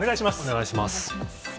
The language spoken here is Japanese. お願いします。